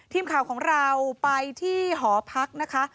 ทีมข่าวของเราไปที่หอพักนะคะ